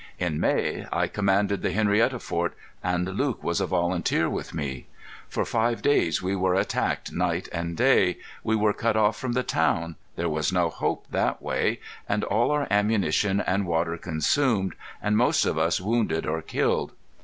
"In May ... I commanded the Henrietta Fort, and Luke was a volunteer with me. For five days we were attacked night and day, we were cut off from the town, there was no hope that way, and all our ammunition and water consumed, and most of us wounded or killed.